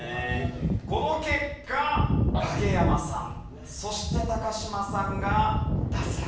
この結果影山さんそして嶋さんが脱落です。